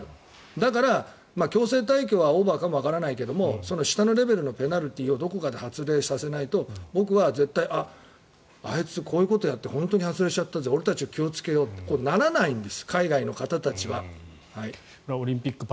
だから、強制退去はオーバーかもわからないけど下のレベルのペナルティーをどこかで発動しないと僕は絶対、あいつこういうことをやって本当に外されちゃったぜ俺たち、気をつけようとならないんです。